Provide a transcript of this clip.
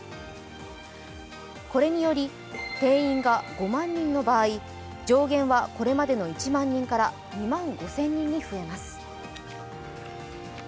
これにより定員が５万人の場合、上限はこれまでの１万人から２万５０００人に増えます。